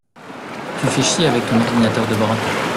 Tu fais chier avec ton ordinateur de brin.